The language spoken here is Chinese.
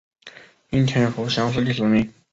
应天府乡试第十名。